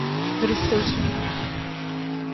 درست سوچ نہیں۔